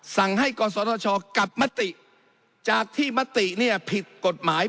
สั่งให้ขอสอดชอกลับมะติจากที่มะติผิดกฎหมาย